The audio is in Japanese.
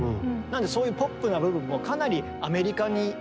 そういうポップな部分もかなりアメリカに行かれたってことが。